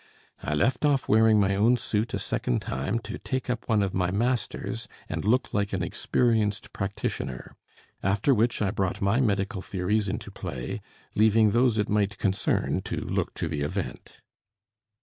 I left off wearing my own suit a second time to take up one of my master's and look like an experienced practitioner. After which I brought my medical theories into play, leaving those it might concern to look to the event.